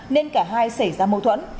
nên cả hai xảy ra mâu thuẫn